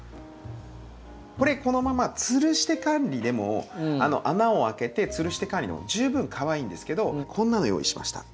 これこのままつるして管理でも穴を開けてつるして管理でも十分かわいいんですけどこんなの用意しました。